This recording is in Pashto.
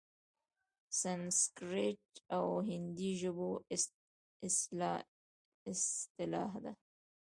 سنسکریت او هندي ژبو اصطلاح ده؛